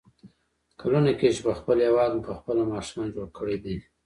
کلونه کېږي چې په خپل هېواد مو په خپله ماښام جوړ کړی دی.